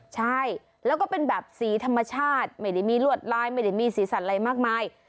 ใช่แล้วก็เป็นแบบสีธรรมชาติไม่ได้มีลวดลายไม่ได้มีสีสันอะไรมากมาย